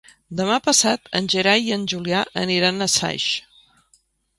Demà passat en Gerai i en Julià aniran a Saix.